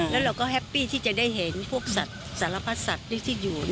แล้วเราก็แฮปปี้ที่จะได้เห็นพวกสัตว์สารพัดสัตว์ที่อยู่